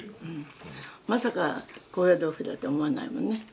「まさか高野豆腐だって思わないもんね」